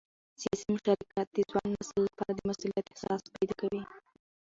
سیاسي مشارکت د ځوان نسل لپاره د مسؤلیت احساس پیدا کوي